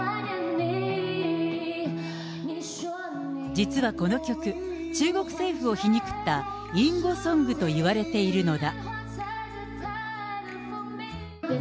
実はこの曲、中国政府を皮肉った隠語ソングといわれているのだ。